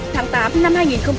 tháng tám năm hai nghìn một mươi tám